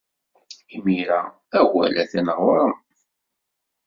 Imir-a, awal atan ɣer-m.